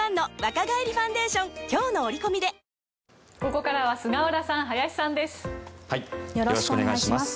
ここからは菅原さん、林さんです。